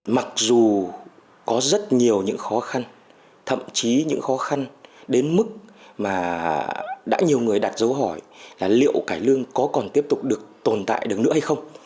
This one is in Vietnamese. mặc dù có rất nhiều những khó khăn thậm chí những khó khăn đến mức mà đã nhiều người đặt dấu hỏi là liệu cải lương có còn tiếp tục được tồn tại được nữa hay không